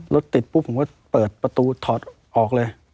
รถติดปุ๊บผมก็เปิดประตูถอดออกเลย